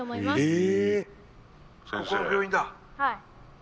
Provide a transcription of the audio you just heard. え